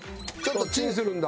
チンするんだ。